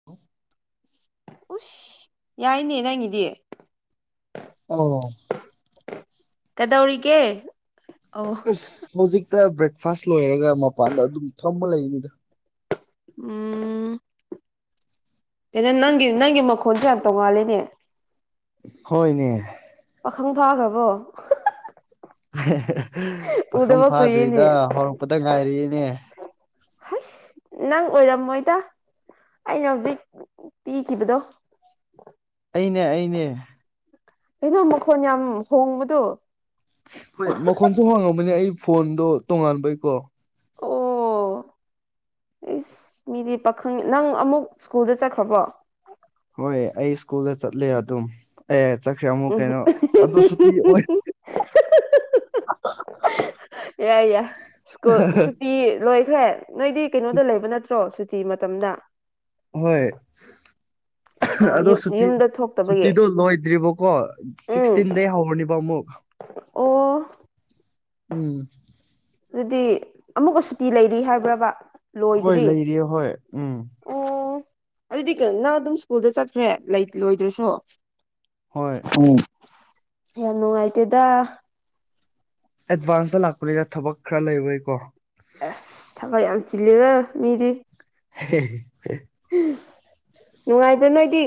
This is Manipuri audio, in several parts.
[inaudible] ꯎꯁ ꯌꯥꯏꯅꯦ ꯅꯪꯒꯤꯗꯤ ꯑꯣ ꯀꯗꯧꯔꯤꯒꯦ ꯑꯣ ꯑꯁ ꯍꯧꯖꯤꯛꯇ ꯕ꯭ꯔꯦꯛꯐꯥꯁ ꯂꯣꯏꯔꯒ ꯃꯄꯥꯟꯗ ꯑꯗꯨꯝ ꯐꯝꯃꯥ ꯂꯩꯕꯅꯤꯗ ꯎꯝ ꯀꯩꯅ ꯅꯪꯒꯤ ꯅꯪꯒꯤ ꯃꯈꯣꯟꯗꯨ ꯌꯥꯝ ꯇꯣꯡꯉꯥꯂꯤꯅꯦ ꯍꯣꯏꯅꯦ ꯄꯥꯈꯪ ꯐꯥꯈ꯭ꯔꯕꯣ ꯄꯥꯈꯪ ꯎꯗꯕ ꯐꯥꯗ꯭ꯔꯤꯗ ꯀꯨꯏꯔꯦꯅꯦ ꯍꯧꯔꯛꯄꯗ ꯉꯥꯏꯔꯤꯏꯅꯦ ꯍꯥꯁ ꯅꯪ ꯑꯣꯏꯔꯝꯃꯣꯏꯗ ꯑꯩꯅ ꯍꯧꯖꯤꯛ ꯄꯤꯈꯤꯕꯗꯣ ꯑꯩꯅꯦ ꯑꯩꯅꯦ ꯀꯩꯅꯣ ꯃꯈꯣꯟ ꯌꯥꯝ ꯍꯣꯡꯕꯗꯣ ꯍꯣꯏ ꯃꯈꯣꯟꯁꯨ ꯍꯥꯡꯉꯝꯃꯅꯦ ꯑꯩ ꯐꯣꯟꯗꯣ ꯇꯣꯉꯥꯟꯕꯩꯀꯣ ꯑꯣ ꯑꯁꯤ ꯃꯤꯗꯤ ꯄꯥꯈꯪ ꯅꯪ ꯑꯃꯨꯛ ꯁ꯭ꯀꯨꯜꯗ ꯆꯠꯈ꯭ꯔꯕꯣ ꯍꯣꯏ ꯑꯩ ꯁ꯭ꯀꯨꯜꯗ ꯆꯠꯂꯦ ꯑꯗꯨꯝ ꯑꯦ ꯆꯠꯈ꯭ꯔꯦ ꯑꯃꯨꯛ ꯎꯝ ꯀꯩꯅꯣ ꯑꯗꯨ ꯁꯨꯇꯤ ꯑꯣꯏ ꯌꯥꯏ ꯌꯥꯏ ꯁꯀꯨꯜ ꯁꯨꯇꯤ ꯂꯣꯏ ꯈ꯭ꯔꯦ ꯅꯣꯏꯗꯤ ꯀꯩꯅꯣꯗ ꯂꯩꯕ ꯅꯠꯇ꯭ꯔꯣ ꯁꯨꯇꯤ ꯃꯇꯝꯗ ꯍꯣꯏ ꯑ ꯑꯗꯣ ꯌꯨꯝ ꯁꯨꯇꯤ ꯌꯨꯝꯗ ꯊꫭꯛ ꯁꯨꯇꯤꯗꯣ ꯂꯣꯏꯗ꯭ꯔꯤꯕꯀꯣ ꯎꯝ ꯁꯤꯛꯁꯇꯤꯟꯗꯩ ꯍꯧꯔꯅꯦꯕ ꯑꯃꯨꯛ ꯑꯣ ꯎꯝ ꯑꯗꯨꯗꯤ ꯑꯃꯨꯛꯀ ꯁꯨꯇꯤ ꯂꯩꯔꯤ ꯍꯥꯏꯕ꯭ꯔꯕ ꯍꯣꯏ ꯂꯣꯏꯗ꯭ꯔꯤ ꯂꯩꯔꯤꯌꯦ ꯍꯣꯏ ꯎꯝ ꯑꯣ ꯑꯗꯨꯗꯤꯀ ꯅꯪ ꯑꯗꯨꯝ ꯁ꯭ꯀꯨꯜꯗ ꯆꯠꯈ꯭ꯔꯦ ꯂꯣꯏꯗ꯭ꯔꯁꯨ ꯍꯣꯏ ꯌꯥꯝ ꯅꯨꯡꯉꯥꯏꯇꯦꯗ ꯑꯦꯗꯚꯥꯟꯁꯇ ꯂꯥꯛꯄꯅꯤꯅ ꯊꯕꯛ ꯈꯔ ꯂꯩꯕꯩꯀꯣ ꯑꯦꯁ ꯊꯕꯛ ꯌꯥꯝ ꯆꯤꯜꯂꯤꯉ‌ꫭ ꯃꯤꯗꯤ ꯍ [unintelligible] ꯅꯨꯡꯉꯥꯏꯕ꯭ꯔꯥ ꯅꯣꯏꯗꯤ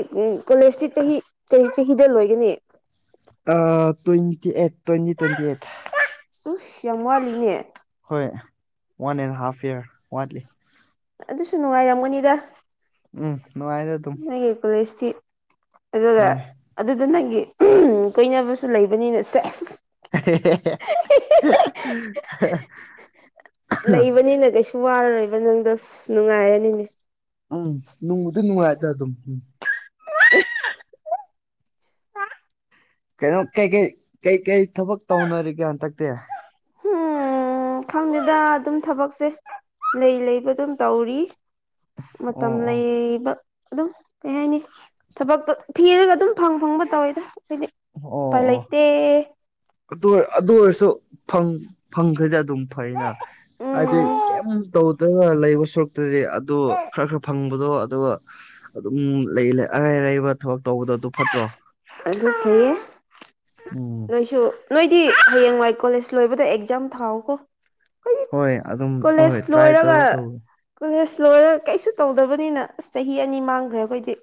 ꯀꯣꯂꯦꯖꯇꯤ ꯆꯍꯤ ꯀꯩ ꯆꯍꯤꯗ ꯂꯣꯏꯒꯅꯤ ꯑꯥ twenty eight twenty twenty eight ꯎꯨꯁ ꯌꯥꯝ ꯋꯥꯠꯂꯤꯅꯦ ꯍꯣꯏ ꯋꯥꯟ ꯑꯦꯟ ꯍꯥꯐ ꯏꯌꯥꯔ ꯋꯥꯠꯂꯤ ꯑꯗꯨꯁꯨ ꯅꯨꯡꯉꯥꯏꯔꯝꯒꯅꯤꯗ ꯎꯝ ꯅꯨꯡꯉꯥꯏꯗ ꯑꯗꯨꯝ ꯑꯩꯒꯤ ꯀꯣꯂꯦꯖꯇꯤ ꯑꯗꯨꯒ ꯍꯣꯏ ꯑꯗꯨꯗ ꯅꯪꯒꯤ ꯀꯣꯏꯅꯕꯁꯨ ꯂꯩꯕꯅꯤꯅ ꯁꯦꯁ [unintelligible] ꯋꯥꯔꯣꯏꯕ ꯅꯪꯗꫭ ꯅꯨꯡꯉꯥꯏꯔꯅꯤꯅꯦ ꯎꯝ ꯅꯨꯡꯕꯨꯗꯤ ꯅꯨꯡꯉꯥꯏꯗ ꯑꯗꯨꯝ ꯎꯝ [unintelligible] ꯀꯩꯅꯣ ꯀꯩꯀꯩ ꯀꯩꯀꯩ ꯊꯕꯛ ꯇꯧꯅꯔꯤꯒꯦ ꯍꯟꯗꯛꯇꯤ ꯎꯝ ꯈꯪꯗꯦꯗ ꯑꯗꯨꯝ ꯊꯕꯛꯁꯦ ꯂꯩ ꯂꯩꯕ ꯑꯗꯨꯝ ꯇꯧꯔꯤ ꯃꯇꯝ ꯑꯣ ꯂꯩꯏꯕ ꯑꯗꯨꯝ ꯀꯩ ꯍꯥꯏꯅꯤ ꯊꯕꯛꯇꯣ ꯊꯤꯔꯒ ꯑꯗꯨꯝ ꯐꯪ ꯐꯪꯕ ꯇꯧꯋꯦꯗ ꯑꯩꯈꯣꯏꯗꯤ ꯑꯣ ꯑꯣ ꯎꯄꯥꯏ ꯂꯩꯇ‌ꯦ ꯑꯗꯨ ꯑꯗꯨ ꯑꯣꯏꯔꯁꯨ ꯐꯪ ꯐꯪꯈ꯭ꯔꯗꯤ ꯑꯗꯨꯝ ꯐꯩꯏꯅ ꯍꯥꯏꯗꯤ ꯎꯝ ꯀꯩꯝ ꯇꯧꯗꯔꯒ ꯂꯩꯕ ꯁꯔꯨꯛꯇꯗꯤ ꯑꯗꯨ ꯈꯔ ꯈꯔ ꯐꯪꯕꯗꯣ ꯑꯗꯨꯒ ꯑꯗꯨꯝ ꯂꯩ ꯑꯔꯩ ꯑꯔꯩꯕ ꯊꯕꯛ ꯇꯧꯕꯗꯣ ꯑꯗꯨ ꯐꯠꯇ꯭ꯔꯣ ꯑꯗꯨ ꯐꯩꯌ‌ꯦ [inaudible] ꯑꯩꯁꯨ ꯅꯣꯏꯗꯤ ꯍꯌꯦꯡꯋꯥꯏ ꯀꯣꯂꯦꯖ ꯂꯣꯏꯕꯗ ꯑꯦꯛꯖꯥꯝ ꯊꯥꯎꯋꯀꯣ ꯍꯣꯏ ꯑꯗꯨꯝ ꯍ ꯍꯣꯏ ꯇ꯭ꯔꯥꯏ ꯂꯣꯏꯔꯒ ꯇꯧꯋꯦ ꯇꯧꯋꯦ ꯀꯣꯂꯦꯖ ꯂꯣꯏꯔꯒ ꯀꯩꯁꯨ ꯇꯧꯗꯕꯅꯤꯅ ꯑꯁ ꯆꯍꯤ ꯑꯅꯤ ꯃꯥꯡꯈ꯭ꯔꯦ ꯑꯩꯈꯣꯏꯗꯤ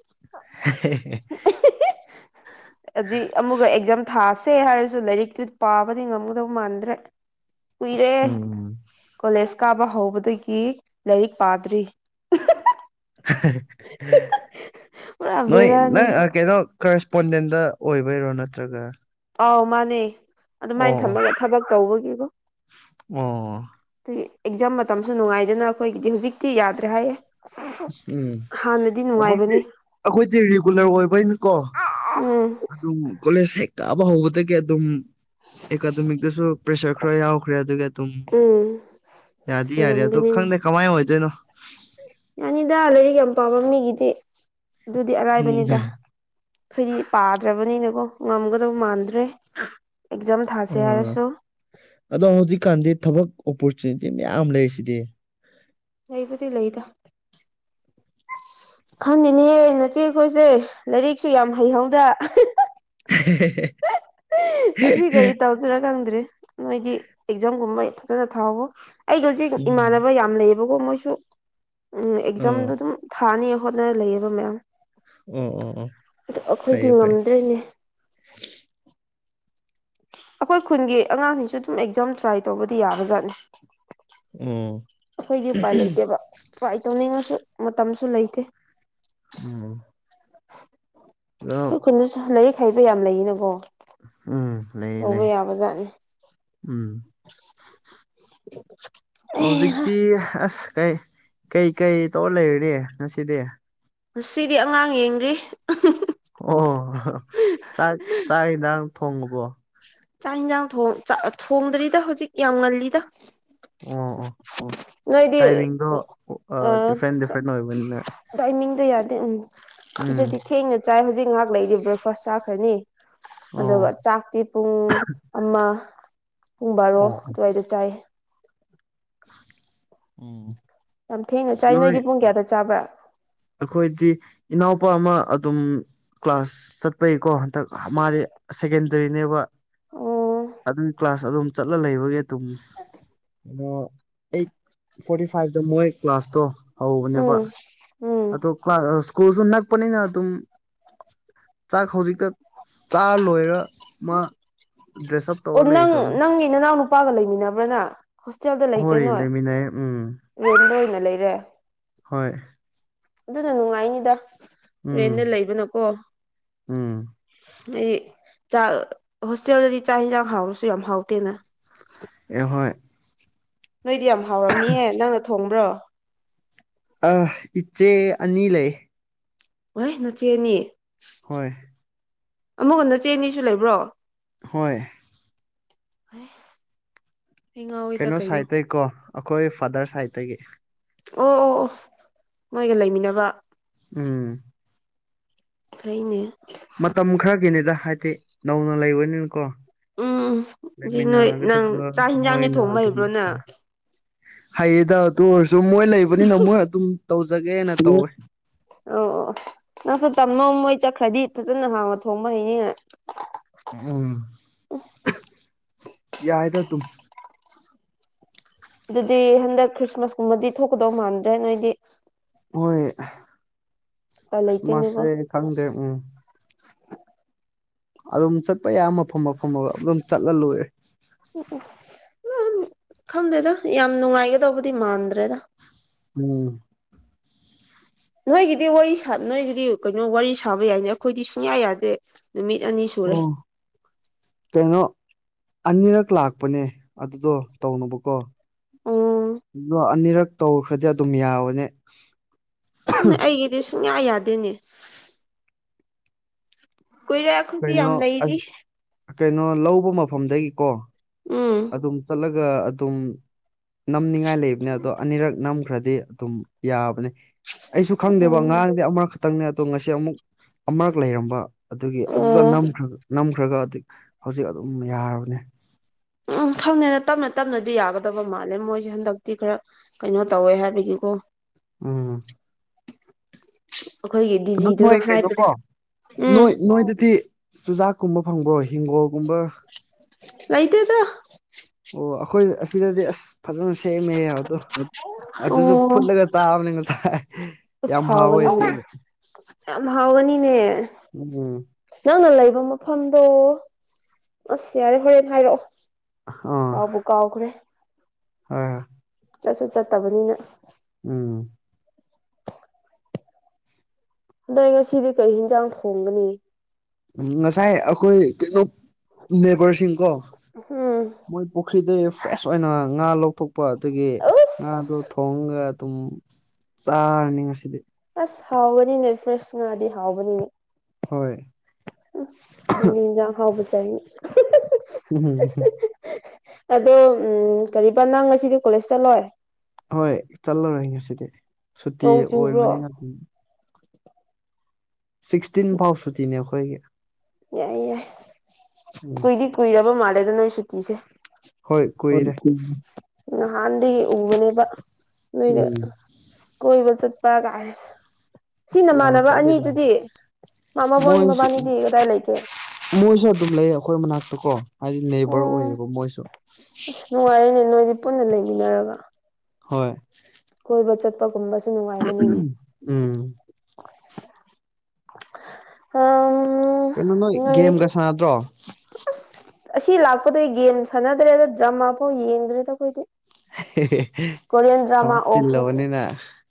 [unintelligible] ꯍꯧꯖꯤ ꯑꯃꯨꯛꯀ ꯑꯦꯛꯖꯥꯝ ꯊꯥꯥꯁꯦ ꯍꯥꯏꯔꯁꯨ ꯂꯥꯏꯔꯤꯛꯇꯨ ꯄꯥꯕꯗꯤ ꯉꯝꯒꯗꯧ ꯃꯥꯟꯗ꯭ꯔꯦ ꯀꯨꯏꯔꯦ ꯎꯝ ꯀꯣꯂꯦꯖ ꯀꯥꯕ ꯍꯧꯕꯗꯒꯤ ꯂꯥꯏꯔꯤꯛ ꯄꯥꯗ꯭ꯔꯤ ꯄꯨꯔꯥ ꯅꯣꯏ ꯕꯦꯔꯥꯅꯦ ꯅꯪ ꯀꯩꯅꯣ ꯀꯔꯦꯁꯄꯣꯟꯗꯦꯟꯗ ꯑꯣꯏꯕꯩꯔꯣ ꯅꯠꯇ꯭ꯔꯒ ꯑꯥꯎ ꯃꯥꯅꯦ ꯑꯗꯨꯃꯥꯏꯅ ꯑꯣ ꯑꯣ ꯊꯝꯃꯒꯦ ꯊꯕꯛ ꯇꯧꯕꯒꯤꯕꯨꯣ ꯑꯣ ꯑ ꯑꯦꯛꯖꯥꯝ ꯃꯇꯝꯁꯨ ꯅꯨꯡꯉꯥꯏꯗꯅ ꯑꯩꯈꯣꯏꯒꯤꯗꯤ ꯍꯧꯖꯤꯛꯇꯤ ꯌꯥꯗ꯭ꯔꯦ ꯍꯥꯏꯌꯦ ꯎꯝ ꯍꯥꯟꯅꯗꯤ ꯑꯩꯈꯣꯏꯗꯤ ꯅꯨꯡꯉꯥꯏꯕꯅꯦ ꯑꯩꯈꯣꯏꯗꯤ ꯔꯤꯒꯨꯂꯔ ꯑꯣꯏꯕꯅꯀꯣ ꯎꯝ ꯑꯗꯨꯝ ꯀꯣꯂꯦꯖ ꯍꯦꯛ ꯀꯥꯕ ꯍꯧꯕꯗꯒꯤ ꯑꯗꯨꯝ ꯑꯦꯀꯥꯗꯃꯤꯛꯇꯁꯨ ꯄ꯭ꯔꯦꯁꯔ ꯈꯔ ꯌꯥꯎꯈ꯭ꯔꯦ ꯑꯗꯨꯒ ꯑꯗꯨꯝ ꯎꯝ ꯌꯥꯗꯤ ꯌꯥꯔꯦ ꯑꯗꯣ ꯑꯣꯏꯔꯝꯒꯅꯤꯅꯦ ꯈꯪꯗꯦ ꯀꯃꯥꯏ ꯑꯣꯏꯗꯣꯏꯅꯣ ꯌꯥꯅꯤꯗ ꯂꯥꯏꯔꯤꯛ ꯌꯥꯝ ꯄꯥꯝꯕ ꯃꯤꯒꯤꯗꯤ ꯑꯗꯨꯗꯤ ꯎꯝ ꯑꯔꯥꯏꯕꯅꯤꯗ ꯑꯩꯈꯣꯏꯗꯤ ꯄꯥꯗ꯭ꯔꯕꯅꯤꯅꯀꯣ ꯉꯝꯒꯗꯧ ꯃꯥꯟꯗ꯭ꯔꯦ ꯑꯦꯛꯖꯥꯝ ꯊꯥꯥꯁꯦ ꯑꯥ ꯍꯥꯏꯔꯁꯨ ꯑꯗꯣ ꯍꯧꯖꯤꯛꯀꯥꯟꯗꯤ ꯊꯕꯛ ꯑꯣꯄꯣꯔꯆꯨꯅꯤꯇꯤ ꯃꯌꯥꯝ ꯂꯩꯔꯤꯁꯤꯗꯤ ꯂꯩꯕꯨꯗꯤ ꯂꯩꯗ ꯈꯪꯅꯤꯦꯅꯦꯍꯦ ꯅꯆꯦ ꯑꯩꯈꯣꯏꯁꯦ ꯂꯥꯏꯔꯤꯛꯁꯨ ꯌꯥꯝ ꯍꯩꯍꯧꯗ [unintelligible] ꯑꯁꯤ ꯀꯔꯤ ꯇꯧꯗꯣꯏꯔꯥ ꯈꯪꯗ꯭ꯔꯔꯤ ꯅꯣꯏꯗꯤ ꯑꯦꯛꯖꯥꯝꯒꯨꯝꯕ ꯐ ꯐꯖꯅ ꯊꯥꯎꯕ ꯑꯩꯒ ꯍꯧꯖꯤꯛ ꯎꯝ ꯏꯃꯥꯟꯅꯕ ꯌꯥꯝ ꯂꯩꯌꯦꯕꯀꯣ ꯃꯣꯏꯁꯨ ꯎꯝ ꯑꯣ ꯑꯦꯛꯖꯥꯝꯗꯣ ꯑꯗꯨꯝ ꯊꯥꯅꯤꯌꯦ ꯍꯣꯠꯅꯔ ꯂꯩꯌꯦꯕ ꯃꯦꯝ ꯑꯣ ꯑꯣ ꯑꯣ ꯑꯗꯨ ꯑꯩꯈꯣꯏꯗꯤ ꯐꯩꯌꯦ ꯐꯩ ꯉꯝꯗ꯭ꯔꯦꯅꯦ ꯑꯩꯈꯣꯏ ꯈꯨꯟꯒꯤ ꯑꯉꯥꯡꯁꯤꯡꯁꯨ ꯑꯗꯨꯝ ꯑꯦꯛꯖꯥꯝ ꯇ꯭ꯔꯥꯏ ꯇꯧꯕꯗꯤ ꯌꯥꯕꯖꯥꯠꯅꯤ ꯎꯝ ꯑꯩꯈꯣꯏꯗꯤ ꯎꯄꯥꯏ ꯂꯩꯇꯦꯕ ꯎꯄꯥꯏ ꯇꯧꯅꯤꯡꯉꯁꯨ ꯃꯇꯝꯁꯨ ꯂꯩꯇꯦ ꯎꯝ ꯑꯗꯣ ꯑꯩꯈꯣꯏ ꯈꯨꯁꯨ ꯂꯥꯏꯔꯤꯛ ꯍꯩꯕ ꯌꯥꯝ ꯂꯩꯌꯦꯅꯀꯣ ꯎꯝ ꯂꯩ ꯂꯩ ꯇꯧꯕ ꯂꯩ ꯌꯥꯕꯖꯥꯠꯅꯤ ꯎꯝ ꯑꯩꯍꯥ ꯍꯧꯖꯤꯛꯇꯛꯇꯤ ꯑꯁ ꯀꯥꯏ ꯀꯩ ꯀꯩ ꯇꯧꯔ ꯂꯩꯔꯔꯤꯦ ꯉꯁꯤꯗꯤ ꯁꯤꯗꯤ ꯑꯉꯥꯡ ꯌꯦꯡꯗ꯭ꯔꯤ ꯑꯣ ꯆꯥꯛ ꯆꯥꯛ ꯍꯤꯗꯥꯛ ꯊꯣꯡꯉꯨꯕꯣ ꯆꯥꯛ ꯌꯦꯟꯁꯥꯡ ꯊꯥꯛ ꯊꯣꯡꯗ꯭ꯔꯤꯗ ꯍꯧꯖꯤꯛ ꯌꯥꯝ ꯉꯜꯂꯤꯗ ꯑꯣ ꯑꯣ ꯅꯣꯏꯗꯤ ꯇꯥꯏꯃꯤꯡꯗꯣ ꯑ ꯗꯤꯐ꯭ꯔꯦꯟ ꯗꯤꯐ꯭ꯔꯦꯟ ꯑꯣꯏꯕꯅꯤꯅ ꯇꯥꯏꯃꯤꯡꯗꯣ ꯌꯥꯗꯦ ꯎꯝ ꯑꯗꯨꯗꯗꯤ ꯎꯝ ꯊꯦꯡꯅ ꯆꯥꯏ ꯍꯧꯖꯤꯛ ꯉꯥꯏꯍꯥꯛ ꯂꯩꯗꯤ ꯕ꯭ꯔꯦꯛꯐꯥꯁ ꯆꯥꯈ꯭ꯔꯅꯤ ꯑꯗꯨꯒ ꯑꯣ ꯆꯥꯛꯇꯤ ꯄꯨꯡ ꯑꯃ ꯄꯨꯡ ꯕꯥꯔꯣ ꯑꯣ ꯑꯗꯨꯋꯥꯏꯗ ꯆꯥꯏ ꯑꯣꯝ ꯌꯥꯝꯊꯦꯡꯅ ꯆꯥꯏ ꯅꯣꯏꯗꯤ ꯄꯨꯡ ꯀꯌꯥꯗ ꯆꯥꯕ꯭ꯔꯥ ꯑꯩꯈꯣꯏꯗꯤ ꯏꯅꯥꯎꯄꯥ ꯑꯃ ꯑꯗꯨꯝ ꯀ꯭ꯂꯥꯁ ꯆꯠꯄꯩꯀꯣ ꯃꯥꯗꯤ ꯁꯦꯀꯦꯟꯗꯔꯤꯅꯦꯕ ꯑꯣ ꯑꯗꯨꯒꯤ ꯀ꯭ꯂꯥꯁ ꯑꯗꯨꯝ ꯆꯠꯂ ꯂꯩꯕꯒꯤ ꯇꯨꯡ ꯀꯩꯅꯣ ꯑꯩꯠ ꯐꯣꯔꯇꯤ ꯐꯥꯏꯚꯇ ꯃꯣꯏ ꯀ꯭ꯂꯥꯁꯇꯣ ꯍꯧꯕꯅꯦꯕ ꯎꯝ ꯣ ꯎꯝ ꯀ ꯀ꯭ꯂ ꯁꯀꯨꯜ ꯁꯅꯥꯄ ꯑꯗꯨ ꯆꯥꯛ ꯍꯧꯖꯤꯛꯇ ꯆꯥꯔ ꯂꯣꯏꯔ ꯃꯥ ꯗ꯭ꯔꯦꯁꯑꯞ ꯑꯣ ꯅꯪ ꯅꯪꯒꯤ ꯅꯅꯥꯎ ꯅꯨꯄꯥꯒ ꯂꯩꯃꯤꯟꯅꯕ꯭ꯔꯅ ꯍꯣꯁꯇꯦꯜꯗ ꯂꯩꯇ꯭ꯔꯦ ꯍꯣꯏ ꯅꯣꯏ ꯂꯩꯃꯤꯟꯅꯩ ꯎꯝ ꯔꯦꯟꯗ ꯑꯣꯏꯅ ꯂꯩꯔꯦ ꯍꯣꯏ ꯑꯗꯨꯅ ꯅꯨꯡꯉꯥꯏꯅꯤꯗ ꯎꯝ ꯔꯦꯟꯗ ꯂꯩꯕꯅꯀꯣ ꯎꯝ ꯍꯥꯏꯗꯤ ꯆꯥꯛ ꯍꯣꯁꯇꯦꯜꯗꯗꯤ ꯆꯥꯛ ꯌꯦꯟꯁꯥꯡ ꯍꯥꯎꯔꯁꯨ ꯌꯥꯝ ꯍꯥꯎꯇꯦꯅ [unintelligible] ꯅꯣꯏꯗꯤ ꯌꯥꯝ ꯍꯥꯎꯔꯝꯅꯤꯍꯦ ꯅꯪꯅ ꯊꯣꯡꯕ꯭ꯔꯣ ꯑ ꯏꯆꯦ ꯑꯅꯤ ꯂꯩ ꯋꯥꯥꯏ ꯅꯆꯦꯅꯤ ꯍꯣꯏ ꯑꯃꯒꯅꯆꯦ ꯑꯅꯤꯁꯨ ꯂꯩꯕ꯭ꯔꯣ ꯍꯣꯏ ꯍ ꯀꯩꯅꯣ ꯁꯥꯏꯗꯇꯩꯒꯤꯀꯣ ꯑꯩꯈꯣꯏ ꯐꯥꯗꯔ ꯁꯥꯏꯗꯇꯒꯤ ꯑꯣ ꯑꯣ ꯑꯣ ꯃꯣꯏꯒ ꯂꯩꯃꯤꯟꯅꯕ ꯎꯝ ꯑꯩꯈꯥꯏꯩꯅ ꯃꯇꯝ ꯈꯔꯒꯤꯅꯤꯗ ꯍꯥꯏꯗꯤ ꯅꯧꯅ ꯂꯩꯕꯅꯤꯅꯀꯣ ꯎꯝ ꯑꯗꯩ ꯅꯣꯏ ꯂꯩꯃꯤꯅꯒꯦ ꯅꯪ ꯆꯥꯛ ꯍꯤꯟꯖꯥꯡꯗꯤ ꯊꯣꯏꯅ ꯊꯣꯡꯕ ꯑꯗꯨ ꯍꯩꯕ꯭ꯔꯣ ꯅꯪ ꯍꯌꯦꯗ ꯑꯗꯨ ꯑꯣꯏꯔꯁꯨ ꯃꯣꯏ ꯂꯩꯕꯅꯤꯅ ꯃꯣꯏ ꯑꯗꯨꯝ ꯇꯧꯖꯒꯦꯅ ꯇꯧꯋꯦ ꯑꯣ ꯑꯣ ꯅꯪꯁꯨ ꯇꯝꯃꯣ ꯃꯣꯏ ꯆꯠꯈ꯭ꯔꯗꯤ ꯐꯖꯅ ꯍꯥꯡꯕ ꯊꯣꯡꯕ ꯍꯩꯅꯤꯅ ꯎꯝ ꯌꯥꯏꯗ ꯇꯨ ꯑꯗꯨꯗꯤ ꯍꯟꯗꯛ ꯈ꯭ꯔꯤꯁꯃꯥꯁ ꯀꯨꯝꯕꯗꯤ ꯊꯣꯛꯀꯗꯧ ꯃꯥꯟꯗ꯭ꯔꯦ ꯅꯣꯏꯗꯤ ꯍꯣꯏ ꯎꯄꯥꯏ ꯂꯩꯇꯦꯅꯦꯀꯣ ꯈ꯭ꯔꯤꯁꯃꯥꯁꯁꯦ ꯈꯪꯗꯦ ꯎꯝ [unintelligible] ꯑꯗꯨꯝ ꯆꯠꯄ ꯌꯥꯏ ꯃꯐꯝ ꯃꯐꯝ ꯑꯃ ꯑꯗꯨ ꯑꯗꯨꯝ ꯆꯠꯂ ꯂꯣꯏꯔꯦ ꯎ ꯎ ꯈꯪꯗꯦꯗ ꯌꯥꯝ ꯅꯨꯡꯉꯥꯏꯒꯗꯧꯕꯗꯤ ꯃꯥꯟꯗ꯭ꯔꯦꯗ ꯎꯝ ꯅꯣꯏꯒꯤꯗꯤ ꯋꯥꯔꯤ ꯅꯣꯏꯒꯤꯗꯤ ꯀꯩꯅꯣ ꯋꯥꯔꯤ ꯁꯥꯕ ꯌꯥꯏꯅꯦ ꯑꯩꯈꯣꯏꯗꯤ ꯁꯨꯡꯌꯥ ꯌꯥꯗꯦ ꯅꯨꯃꯤꯠ ꯑꯅꯤ ꯁꯨꯔꯦ ꯑꯣ ꯇꯩꯅꯣ ꯑꯅꯤꯔꯛ ꯂꯥꯛꯄꯅꯦ ꯑꯗꯨꯗꯣ ꯇꯧꯅꯕꯀꯣ ꯑꯣ ꯑꯗꯣ ꯑꯅꯤꯔꯛ ꯇꯧꯈ꯭ꯔꯗꯤ ꯑꯗꯨꯝ ꯌꯥꯕꯅꯦ ꯍꯅꯦ ꯑꯩꯒꯤꯗꯤ ꯁꯨꯡꯌꯥ ꯌꯥꯗꯦꯅꯦ ꯀꯣꯏꯔꯦꯈꯗꯤ ꯌꯥꯝ ꯀꯩꯅꯣ ꯂꯩꯔꯤ ꯀꯩꯅꯣ ꯂꯧꯕ ꯃꯐꯝꯗꯒꯤꯀꯣ ꯎꯝ ꯑꯗꯨꯝ ꯆꯠꯂꯒ ꯑꯗꯨꯝ ꯅꯝꯅꯤꯡꯉꯥꯏ ꯂꯩꯕꯅꯦ ꯑꯗꯣ ꯑꯅꯤꯔꯛ ꯅꯝꯈ꯭ꯔꯗꯤ ꯑꯗꯨꯝ ꯌꯥꯕꯅꯦ ꯑꯩꯁꯨ ꯈꯪꯗꯦꯕ ꯎꯝ ꯑꯥꯡꯗꯤ ꯑꯃꯛꯛꯇ ꯈꯥꯛꯇꯪꯅꯦ ꯑꯗꯣ ꯉꯁꯤ ꯑꯃꯨꯛ ꯑꯃꯔꯛ ꯂꯩꯔꯝꯕ ꯑꯗꯨꯒꯤ ꯑꯗꯨꯗꯈ ꯑꯣ ꯈ꯭ꯔꯒ ꯑꯗꯨꯛ ꯍꯧꯖꯤꯛ ꯑꯗꯨꯝ ꯌꯥꯔꯕꯅꯦ ꯎꯝ ꯈꯪꯅꯦꯦꯅ ꯇꯞꯅ ꯇꯞꯅꯗꯤ ꯌꯥꯒꯗꯕ ꯃꯥꯜꯂꯦ ꯃꯣꯏꯁꯦ ꯍꯟꯗꯛꯇꯤ ꯈꯔ ꯀꯩꯅꯣ ꯇꯧꯋꯦ ꯍꯥꯏꯕꯒꯤꯀꯣ ꯎꯝ ꯑꯩꯈꯣꯏꯒꯤ ꯑꯗꯨ ꯅꯣꯏ ꯗꯤꯖꯤꯗꯨꯅ ꯍꯥꯏꯕꯗꯣ ꯀꯩꯅꯣꯀꯣ ꯎꯝ ꯅꯣꯏ ꯅꯣꯏꯗꯗꯤ ꯆꯨꯖꯥꯛꯀꯨꯝꯕ ꯐꯪꯕ꯭ꯔꯣ ꯍꯤꯡꯒꯣꯜꯒꯨꯝꯕ ꯂꯣꯏꯇꯦꯗ ꯑꯣ ꯑꯩꯈꯣꯏ ꯑꯁꯤꯗꯗꯤ ꯑꯁ ꯐꯖꯅ ꯁꯦꯝꯃꯦ ꯑꯗꯣ ꯑꯗꯨꯁꯨ ꯑꯣ ꯐꯨꯠꯂꯒ ꯆꯥꯕꯅꯤ ꯉꯁꯥꯏ ꯑꯁ ꯌꯥꯝ ꯍꯥꯎꯋꯦ ꯍꯥꯎꯒꯅꯤꯅꯦ ꯁꯤꯒꯤ ꯌꯥꯝ ꯍꯥꯎꯒꯅꯤꯅꯦ ꯎꯝ ꯅꯪꯅ ꯂꯩꯕ ꯃꯐꯝꯗꯣ ꯑꯁ ꯌꯥꯔꯦ ꯍꯣꯔꯦꯟ ꯍꯥꯏꯔꯛꯑꯣ ꯑ ꯀꯥꯎꯕꯨ ꯀꯥꯎꯈ꯭ꯔꯦ [unintelligible] ꯍꯣꯏ ꯍꯣꯏ ꯆꯠꯁꯨ ꯆꯠꯇꯕꯅꯤꯅ ꯎꯝ ꯅꯣꯏ ꯉꯁꯤꯗꯤ ꯀꯩ ꯍꯦꯟꯖꯥꯡ ꯊꯣꯡꯒꯅꯤ ꯎꯝ ꯉꯁꯥꯏ ꯑꯩꯈꯣꯏ ꯀꯩꯅꯣ ꯅꯦꯕꯔꯁꯤꯡꯀꯣ ꯎꯝ ꯃꯣꯏ ꯄꯨꯈ꯭ꯔꯤꯗ ꯐ꯭ꯔꯦꯁ ꯑꯣꯏꯅ ꯉꯥ ꯂꯧꯊꯣꯛꯄ ꯑꯗꯨꯒꯤ ꯉꯥꯗꯣ ꯑꯁ ꯊꯣꯡꯉꯒ ꯑꯗꯨꯝ ꯆꯥꯔꯅꯤ ꯉꯁꯤꯗꯤ ꯑꯁ ꯍꯥꯎꯕꯅꯤꯅꯦ ꯐ꯭ꯔꯦꯁ ꯉꯥꯗꯤ ꯍꯥꯎꯕꯅꯤꯅꯦ ꯍꯣꯏ ꯅꯪꯗꯤ ꯏꯟꯖꯥꯡ ꯑꯍꯥꯎꯕ [unintelligible] ꯎꯝ ꯍꯨꯝ ꯎꯝ [unintelligible] [unintelligible] ꯑꯗꯣ ꯎꯝ ꯀꯔꯤꯕ ꯅꯪ ꯉꯁꯤꯗꯤ ꯀꯣꯂꯦꯖ ꯆꯠꯂꯣꯏ ꯍꯣꯏ ꯆꯠꯂꯔꯣꯏ ꯉꯁꯤꯗꯤ ꯁꯨꯇꯤ ꯅꯣꯡ ꯆꯨꯕ꯭ꯔꯣ ꯑꯣꯏꯕꯅꯤꯅ ꯁꯤꯛꯁꯇꯤꯟ ꯐꯥꯎ ꯁꯨꯇꯤꯅꯦ ꯑꯩꯈꯣꯏꯒꯤ ꯌꯥꯏꯌꯦ ꯌꯥꯏ ꯎꯝ ꯀꯨꯏꯗꯤ ꯀꯨꯏꯔꯕ ꯃꯥꯜꯂꯦꯗ ꯅꯣꯏ ꯁꯨꯇꯤꯁꯦ ꯍꯣꯏ ꯀꯨꯏꯔꯦ [unintelligible] ꯅꯍꯥꯟꯗꯒꯤ ꯎꯕꯅꯦꯕ ꯅꯣꯏꯗꯨ ꯎꯝ ꯀꯣꯏꯕ ꯆꯠꯄ ꯒꯥꯏ ꯁꯤ ꯑꯁ ꯌꯥꯝ ꯅꯃꯥꯟꯅꯕ ꯆꯠꯂꯤꯗ ꯑꯅꯤꯗꯨꯗꯤ ꯃꯥ ꯃꯕꯣꯏ ꯃꯣꯏꯁꯨ ꯃꯕꯥꯅꯤꯗꯤ ꯀꯗꯥꯏ ꯂꯩꯒꯦ ꯃꯣꯏꯁꯨ ꯑꯗꯨꯝ ꯂꯩ ꯑꯩꯈꯣꯏ ꯃꯅꯥꯛꯇ ꯀꯣ ꯍꯥꯏꯗꯤ ꯅꯦꯕꯔ ꯑꯣ ꯑꯣꯏꯌꯦꯕ ꯃꯣꯏꯁꯨ ꯑꯁ ꯅꯨꯡꯉꯥꯏꯔꯤꯅꯦ ꯅꯣꯏꯗꯤ ꯄꯨꯟꯅ ꯂꯩꯃꯤꯟꯅꯔꯒ ꯍꯣꯏ ꯀꯣꯏꯕ ꯆꯠꯄꯒꯨꯝꯕꯁꯨ ꯅꯨꯡꯉꯥꯏꯒꯅꯤꯅꯦ ꯎꯝ ꯑꯥ ꯀꯩꯅꯣ ꯅꯣꯏ ꯒꯦꯝꯒ ꯁꯥꯟꯅꯗ꯭ꯔꯣ ꯑꯁ ꯑꯁꯤ ꯂꯥꯛꯄꯗꯩ ꯒꯦꯝ ꯁꯥꯟꯅꯗ꯭ꯔꯦꯗ ꯗ꯭ꯔꯃꯥ ꯐꯥꯎ ꯌꯦꯡꯗ꯭ꯔꯦꯗ ꯑꯩꯈꯣꯏꯗꯤ [unintelligible] ꯊꯕꯛ ꯆꯤꯜꯂꯕꯅꯤꯅ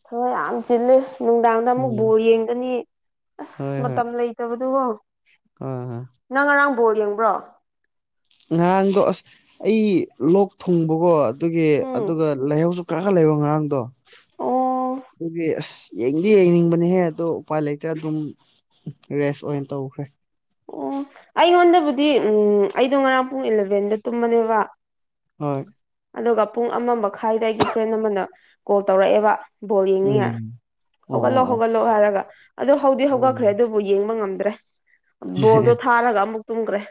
ꯍꯣꯏ ꯌꯥꯝ ꯆꯤꯜꯂꯦ ꯅꯨꯡꯗꯥꯡꯗ ꯑꯃꯨꯛ ꯎꯝ ꯕꯣꯜ ꯌꯦꯡꯒꯅꯤ ꯑꯁ ꯍꯣꯏ ꯍꯣꯏ ꯃꯇꯝ ꯂꯩ ꯠꯇꯕꯗꯨꯀꯣ ꯍꯣꯏ ꯍꯣꯏ ꯅꯪ ꯉꯔꯥꯡ ꯕꯣꯜ ꯌꯦꯡꯕ꯭ꯔꯣ ꯉꯍꯥꯡꯗꯣ ꯑꯁ ꯑꯩ ꯂꯣꯛ ꯊꯨꯡꯕꯀꯣ ꯑꯗꯨꯒꯤ ꯎꯝ ꯑꯗꯨꯒ ꯂꯩꯍꯧꯁꯨ ꯈꯔ ꯈꯔ ꯂꯩꯕ ꯉꯔꯥꯡꯗꯣ ꯑꯣ ꯑꯗꯨꯒꯤ ꯑꯁ ꯌꯦꯡꯗꯤ ꯌꯦꯡꯅꯤꯡꯕꯅꯦꯍꯦ ꯑꯗꯣ ꯎꯄꯥꯏ ꯂꯩꯇ꯭ꯔꯦ ꯑꯗꯨꯝ ꯔꯦꯁ ꯑꯣꯏꯅ ꯇꯧꯈ꯭ꯔꯦ ꯑꯣ ꯑꯩꯉꯣꯟꯗꯕꯨꯗꯤ ꯎꯝ ꯑꯩꯗꯣ ꯉꯔꯥꯡ ꯄꯨꯡ ꯏꯂꯚꯦꯟꯗ ꯇꯨꯝꯕꯅꯦꯕ ꯍꯣꯏ ꯑꯗꯨꯒ ꯄꯨꯡ ꯑꯃ ꯃꯈꯥꯏꯗ ꯑꯩꯒꯤ ꯐ꯭ꯔꯦꯟ ꯑꯃꯅ ꯀꯣꯜ ꯇꯧꯔꯛꯑꯦꯕ ꯕꯣꯜ ꯌꯦꯡꯅꯤꯡꯉꯥꯏ ꯎꯝ ꯑꯣ ꯍꯧꯒꯠꯂꯣ ꯑꯣ ꯍꯧꯒꯠꯂꯛꯑꯣ ꯍꯥꯏꯔꯒ ꯑꯗꯨ ꯍꯧꯗꯤ ꯑꯣ ꯍꯧꯒꯠꯈ꯭ꯔꯦ ꯑꯣ ꯑꯗꯨ ꯌꯦꯡꯕ ꯉꯝꯗ꯭ꯔꯦ ꯕꯣꯜꯗꯣ ꯊꯥꯔꯒ ꯑꯃꯨꯛ ꯇꯨꯝꯈ꯭ꯔꯦ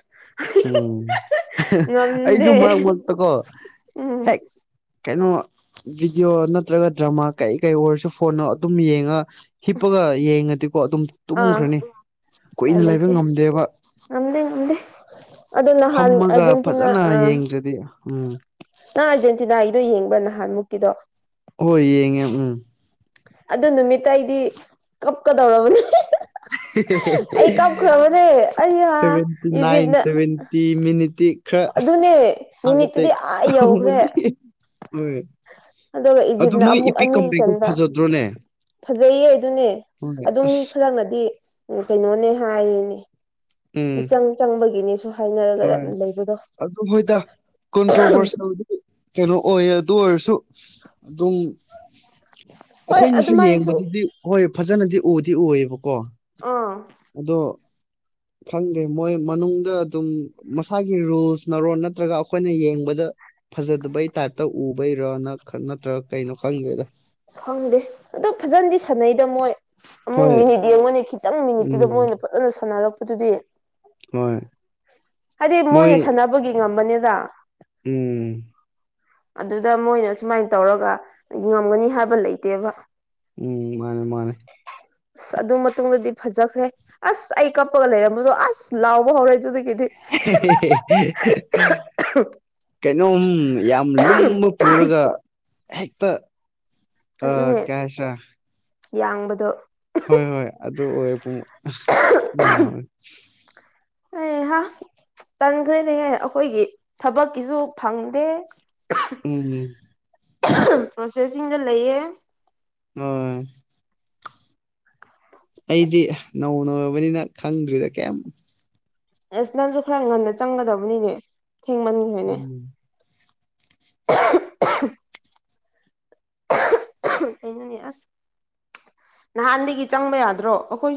ꯎꯝ [unintelligible] ꯉꯝꯗꯦ [unintelligible] ꯀꯣ ꯑꯝ ꯀꯩꯅꯣ ꯚꯤꯗꯤꯑꯣ ꯅꯠꯇ꯭ꯔꯒ ꯗ꯭ꯔꯃꯥ ꯀꯩ ꯀꯩ ꯑꯣꯏꯔꯁꯨ ꯐꯣꯟꯅꯣ ꯑꯗꯨꯝ ꯌꯦꯡꯉ ꯍꯤꯞꯄꯒ ꯌꯦꯡꯉꯗꯤꯀꯣ ꯑꯗꯨꯝ ꯑꯥ ꯇꯨꯝꯈ꯭ꯔꯅꯤ ꯎꯄꯥꯏ ꯀꯨꯏꯅ ꯂꯩꯕ ꯂꯩꯇꯦ ꯉꯝꯗꯦꯕ ꯉꯝꯗꯦ ꯉꯝꯗꯦ ꯑꯗꯣ ꯅꯍꯥꯟ ꯐꯝꯃꯒ ꯑꯥꯔꯖꯦꯟꯇꯤꯅꯥ ꯐꯖꯅ ꯑꯥ ꯌꯦꯡꯗ꯭ꯔꯗꯤ ꯎꯝ ꯅꯪ ꯑꯥꯔꯖꯦꯟꯇꯤꯅꯥꯒꯤꯗꯣ ꯌꯦꯡꯕ ꯅꯍꯥꯟꯃꯨꯛꯀꯤꯗꯣ ꯍꯣꯏ ꯌꯦꯡꯉꯦ ꯎꯝ ꯑꯗꯨ ꯅꯨꯃꯤꯠꯇ ꯑꯩꯗꯤ ꯀꯞꯀꯗꯧꯔꯕꯅꯦ [unintelligible] [unintelligible] ꯑꯩ ꯀꯞꯈ꯭ꯔꯕꯅꯦ ꯑꯩꯌꯥ ꯏꯖꯤꯞꯅ ꯇꯤ ꯃꯤꯅꯤꯇꯤ ꯈꯔ ꯑꯗꯨꯅꯦ ꯍꯥꯔꯠ ꯃꯤꯅꯤꯠꯇꯨꯗꯤ ꯑꯦꯇꯦꯛ ꯑꯥ ꯌꯧꯈ꯭ꯔꯦ [unintelligible] ꯍꯣꯏ ꯑꯗꯨꯒ ꯑꯗꯨ ꯏꯖꯤꯞꯅ ꯃꯣꯏ ꯑꯃꯨꯛ ꯏꯄꯤꯛ ꯑꯅꯤ ꯀꯝꯕꯩꯛꯇꯣ ꯆꯟꯕ ꯐꯖꯗ꯭ꯔꯣꯅꯦ ꯐꯖꯩꯌꯦ ꯑꯗꯨꯅꯦ ꯍꯣꯏ ꯑꯗꯨ ꯃꯤ ꯑꯁ ꯈꯔꯛꯅꯗꯤ ꯀꯩꯅꯣꯅꯦ ꯍꯥꯏꯔꯤꯅꯦ ꯎꯝ ꯃꯤꯆꯪ ꯆꯪꯕꯒꯤꯅꯤꯁꯨ ꯍꯣꯏ ꯑꯗꯨ ꯍꯣꯏꯗ ꯀꯣꯟꯇ꯭ꯔꯣꯚꯔꯁꯤꯜ ꯀꯩꯅꯣ ꯑꯣꯏꯌꯦ ꯑꯗꯨ ꯑꯣꯏꯔꯁꯨ ꯑꯗꯨꯝ ꯍꯣꯏ ꯑꯩꯈꯣꯏꯅꯁꯨ ꯑꯗꯨꯃꯥꯏꯅꯁꯨ ꯌꯦꯡꯕꯗꯗꯤ ꯍꯣꯏ ꯐꯖꯅꯗꯤ ꯎꯗꯤ ꯎꯌꯦꯕꯀꯣ ꯑꯥ ꯑꯗꯣ ꯈꯪꯗꯦ ꯃꯣꯏ ꯃꯅꯨꯡꯗ ꯑꯗꯨꯝ ꯃꯁꯥꯒꯤ ꯔꯨꯜꯁꯅꯔ‌ꫭ ꯅꯠꯇ꯭ꯔꯒ ꯑꯩꯈꯣꯏꯅ ꯌꯦꯡꯕꯗ ꯐꯖꯗꯕꯩ ꯇꯥꯏꯞꯇ ꯎꯕꯩꯔꯅ ꯅꯠꯇ꯭ꯔ ꯀꯩꯅꯣ ꯈꯪꯗ꯭ꯔꯦꯗ ꯈꯪꯗꯦ ꯑꯗꯣ ꯐꯖꯅꯗꯤ ꯁꯥꯟꯅꯩꯗ ꯃꯣꯏ ꯑꯃꯨꯛ ꯍꯣꯏ ꯃꯤꯅꯤꯠ ꯌꯦꯡꯉꫭꯅ‌ꯦ ꯃꯣꯏꯅ ꯈꯤꯇꯪ ꯃꯤꯅꯤꯠꯇꯨꯗ ꯎꯝ ꯃꯣꯏꯅ ꯐꯖꯅ ꯁꯥꯟꯅꯔꯛꯄꯗꯨꯗꯤ ꯍꯣꯏ ꯍꯥꯏꯗꯤ ꯃꯣꯏ ꯃꯣꯏꯅ ꯁꯥꯟꯅꯕꯒꯤ ꯉꯝꯕꯅꯤꯗ ꯎꯝ ꯑꯗꯨꯗ ꯃꯣꯏꯅ ꯁꯨꯃꯥꯏꯅ ꯇꯧꯔꯒ ꯉꯝꯒꯅꯤ ꯍꯥꯏꯕ ꯂꯩꯇꯦꯕ ꯎꯝ ꯃꯥꯅꯦ ꯃꯥꯅꯦ [inaudible] ꯑꯁ ꯑꯗꯨ ꯃꯇꯨꯡꯗꯗꯤ ꯐꯖꯈ꯭ꯔꯦ ꯑꯁ ꯑꯩ ꯀꯞꯄꯒ ꯂꯩꯔꯝꯕꯗꯣ ꯑꯁ ꯂꯥꯎꯕ ꯍꯧꯔꯦ ꯑꯗꯨꯗꯒꯤꯗꯤ ꯀꯩꯅꯣꯝ ꯌꯥꯝ ꯂꯨꯝꯕ ꯄꯨꯔꯒ ꯍꯦꯛꯇ ꯑ ꯑꯗꯨꯅꯦ ꯀꯩ ꯍꯥꯏꯁꯤꯔꯥ ꯌꯥꯡꯕꯗꯣ ꯍꯣꯏ ꯍꯣꯏ ꯑꯗꯨ ꯑꯣꯏꯔꯦ ꯄꯨꯡ ꯆꯞꯃꯟꯅꯕꯅ‌ꯦ ꯍꯩꯍꯥ ꯇꯟꯈ꯭ꯔꯦꯅꯦꯍꯦ ꯑꯩꯈꯣꯏꯒꯤ ꯊꯕꯛꯀꯤꯁꯨ ꯐꯪꯗꯦ ꯎꯝ ꯄ꯭ꯔꯣꯁꯦꯁꯤꯡꯗ ꯂꯩꯌꯦ ꯑꯣꯝ [unintelligible] ꯑꯩꯗꯤ ꯅꯧꯅ ꯑꫭꯔꯕꯅꯤꯅ [unintelligible] ꯈꯪꯗ꯭ꯔꯤꯗ ꯀꯩꯝ ꯑꯁ ꯅꯪꯁꯨ ꯈꯔ ꯉꯟꯅ ꯆꯪꯒꯗꯕꯅꯤꯅꯦ ꯊꯦꯡꯃꯟ ꯎꯝ [unintelligible] ꯀꯩꯅꯣꯅꯦ ꯑꯁ ꯅꯍꯥꯟꯗꯒꯤ ꯆꯪꯕ ꯌꯥꯗ꯭ꯔꯣ ꯑꯩꯈꯣꯏ